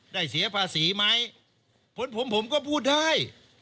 เสียภาษีไหมผลผมผมก็พูดได้